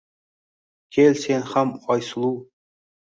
Kel sen ham Oysuluv